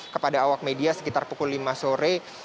kepada awak media sekitar pukul lima sore